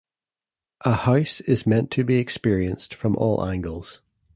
A house is meant to be experienced from all angles.